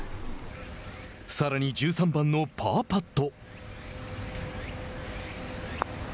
さらに１３番のパーパット。